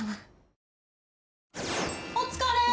お疲れ！